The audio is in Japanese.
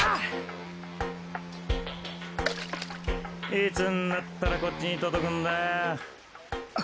いつになったらこっちに届くんだ？